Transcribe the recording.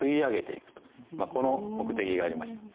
この目的がありました。